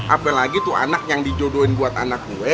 apalagi itu anak yang dijodohin buat anak gue